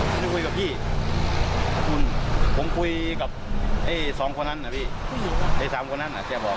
ไม่ได้ไปคุยกับพี่ผมคุยกับทั้ง๒คนนั้นล่ะ